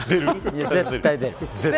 絶対、出る。